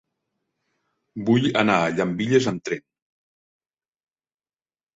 Vull anar a Llambilles amb tren.